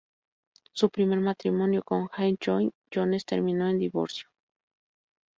Su primer matrimonio, con Jane Lloyd-Jones, terminó en divorcio.